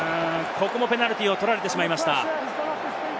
ここもペナルティーを取られてしまいました。